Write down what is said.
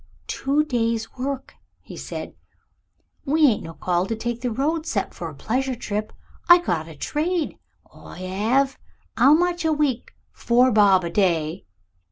"Two days' work," he said. "We ain't no call to take the road 'cept for a pleasure trip. I got a trade, I 'ave. 'Ow much a week's four bob a day?